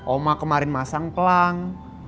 oma kemarin masang pelang